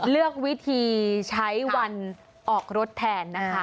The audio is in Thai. เลือกวิธีใช้วันออกรถแทนนะคะ